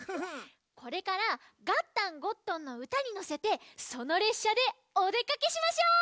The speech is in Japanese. これから「ガッタン＆ゴットン」のうたにのせてそのれっしゃでおでかけしましょう！